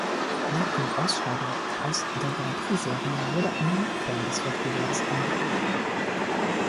Nach dem Ausscheiden aus der Grand-Prix-Serie wurde eine neue Form des Wettbewerbes eingeführt.